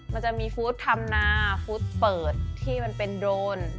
มันจะมีฟู้ดทำนาฟู้ดเปิดที่มันเป็นโดรน